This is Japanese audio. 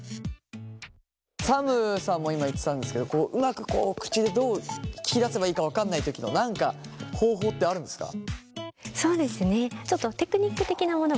サムさんも今言ってたんですけどうまくこう口でどう聞き出せばいいか分かんない時の何か方法ってあるんですか？